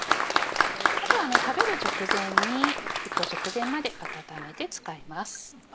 あとは食べる直前に沸騰直前まで温めて使います。